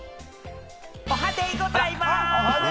おはデイございます！